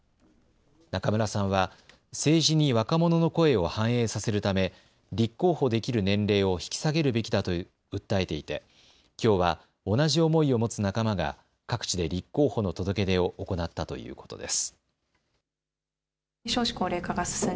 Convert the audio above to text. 中村さんは政治に若者の声を反映させるため立候補できる年齢を引き下げるべきだと訴えていてきょうは同じ思いを持つ仲間が各地で立候補の届け出を行ったということです。